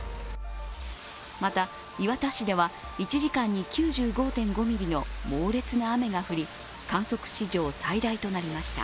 また、磐田市では１時間に９５．５ミリの猛烈な雨が降り、観測史上最大となりました。